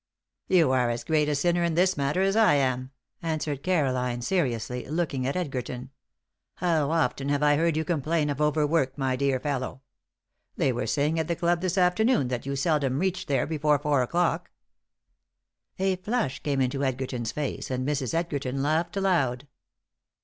"You are as great a sinner in this matter as I am," answered Caroline, seriously, looking at Edgerton. "How often have I heard you complain of overwork, my dear fellow! They were saying at the club this afternoon that you seldom reached there before four o'clock." A flush came into Edgerton's face, and Mrs. Edgerton laughed aloud.